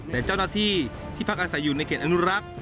แต่เจ้าหน้าที่ที่พักอาศัยอยู่ในเขตอนุรักษ์